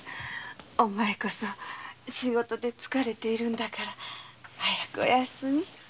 お前こそ仕事で疲れているんだから早くお休み。